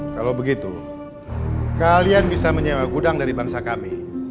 kalau begitu kalian bisa menyewa gudang dari bangsa kami